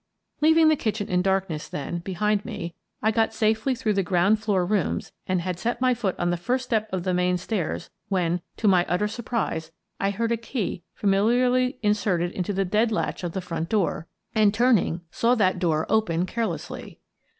Leaving the kitchen in darkness, then, behind me, I had got safely through the ground floor rooms and had set my foot on the first step of the main stairs when, to my utter surprise, I heard a key familiarly inserted into the dead latch of the front door and, turning, saw that door open care lessly.